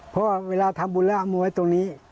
เพราะว่าเวลาทำบุญแล้วมวยตรงนี้